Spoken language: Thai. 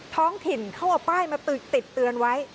ท้องถิ่นเขาเอาป้ายมาติดเตือนไว้